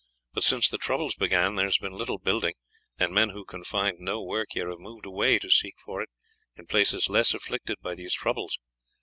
But since the troubles began there has been little building, and men who can find no work here have moved away to seek for it in places less afflicted by these troubles.